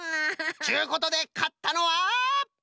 ちゅうことでかったのは。